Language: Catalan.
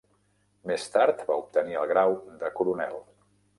Més tard va obtenir el grau de coronel.